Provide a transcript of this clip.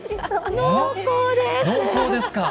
濃厚ですか。